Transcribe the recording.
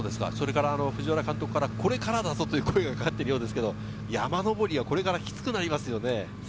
藤原監督からはこれからだぞ！という声がかかっているようですが、山上りはこれからきつくなりますよね。